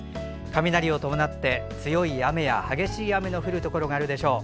雷を伴って強い雨や激しい雨の降るところがあるでしょう。